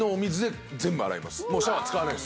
もうシャワー使わないっす。